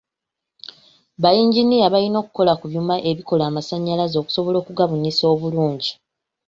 Ba yinginiya balina okukola ku byuma ebikola amasannyalaze okusobola okugabunyisa obulungi.